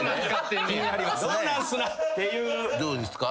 どうですか？